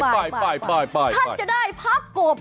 ถ้าจะได้พักกบ